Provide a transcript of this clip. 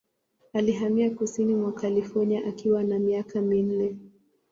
Alihamia kusini mwa California akiwa na miaka minne.